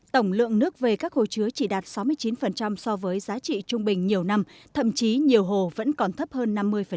tổng lượng nước về các hồ chứa chỉ đạt sáu mươi chín so với giá trị trung bình nhiều năm thậm chí nhiều hồ vẫn còn thấp hơn năm mươi